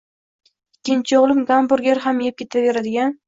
Ikkinchi o‘g‘lim gamburger ham yeb ketaveradigan